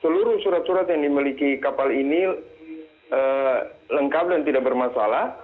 seluruh surat surat yang dimiliki kapal ini lengkap dan tidak bermasalah